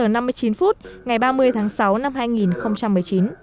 ngày ba mươi tháng sáu năm hai nghìn một mươi chín